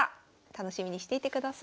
楽しみにしていてください。